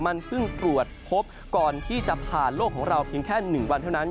มันเพิ่งตรวจพบก่อนที่จะผ่านโลกของเราเพียงแค่๑วันเท่านั้น